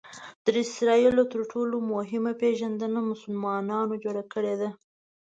د اسراییلو تر ټولو مهمه پېژندنه مسلمانانو جوړه کړې ده.